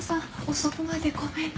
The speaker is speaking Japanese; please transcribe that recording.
遅くまでごめんね。